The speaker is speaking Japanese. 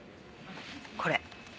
これ。